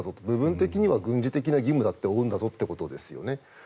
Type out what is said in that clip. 部分的には軍事的な義務だって負うんだぞということですよね。